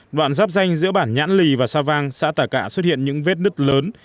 đoạn rắp danh giữa bản nhãn lì và sa vang xã tà cạ xuất hiện những vết nứt lớn